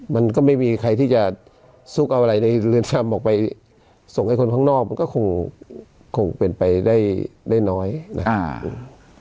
มันก็ไม่มีใครที่จะซุกเอาอะไรในเรือนจำออกไปส่งให้คนข้างนอกมันก็คงคงเป็นไปได้ได้น้อยนะครับ